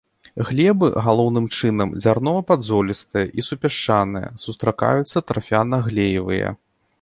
Глебы галоўным чынам дзярнова-падзолістыя і супясчаныя, сустракаюцца тарфяна-глеевыя.